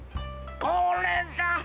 これだ！